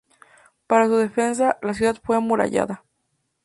Para su defensa, la ciudad fue amurallada.